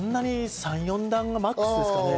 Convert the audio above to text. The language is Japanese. ３４段がマックスですけどね。